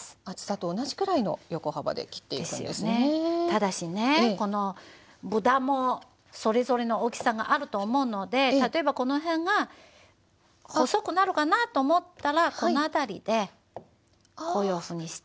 ただしねこの豚もそれぞれの大きさがあると思うので例えばこの辺が細くなるかなと思ったらこの辺りでこういうふうにして。